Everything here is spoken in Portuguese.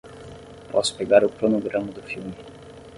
Posso pegar o cronograma do filme